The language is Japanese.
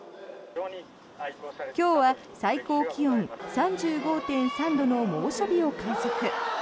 今日は最高気温３５．３度の猛暑日を観測。